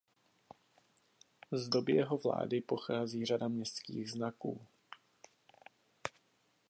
Z doby jeho vlády pochází řada městských znaků.